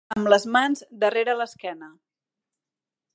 Amb les mans darrere l'esquena.